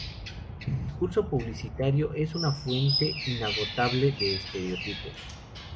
El discurso publicitario es una fuente inagotable de estereotipos.